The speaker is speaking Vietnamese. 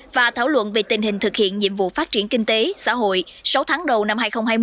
và thảo luận về tình hình thực hiện nhiệm vụ phát triển kinh tế xã hội sáu tháng đầu năm hai nghìn hai mươi